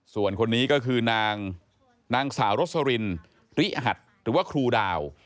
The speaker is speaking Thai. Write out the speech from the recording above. ส่วนคนนี้ก็คือนางสาวรสรินฤหัสหรือว่าครูดาว